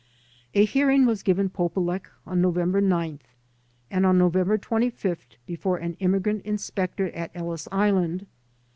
A hearing was given Polulech on November 9th, and on November 25th before an immigrant inspector at Hllis Island.